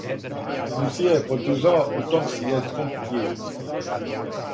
Русија је подржава у том свјетском тијелу.